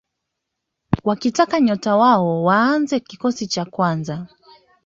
wakitaka nyota wao waanze kikosi cha kwanza